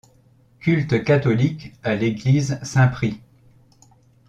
Culte catholique à l'église Saint-Prix.